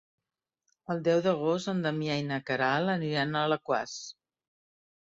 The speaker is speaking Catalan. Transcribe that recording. El deu d'agost en Damià i na Queralt aniran a Alaquàs.